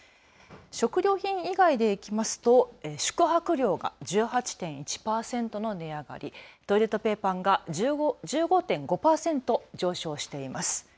食料品以外でいきますと宿泊料が１８．１％の値上がり、トイレットペーパーが１５．５％上昇しています。